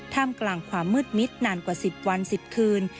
กลางความมืดมิดนานกว่า๑๐วัน๑๐คืน